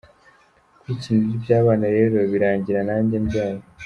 Kwikinira iby’abana rero birangira nanjye mbyaye.